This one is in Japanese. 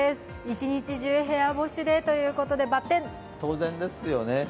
一日中、部屋干しでということで当然ですよね。